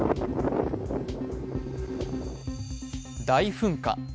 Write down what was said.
大噴火。